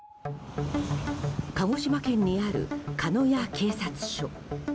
鹿児島県にある鹿屋警察署。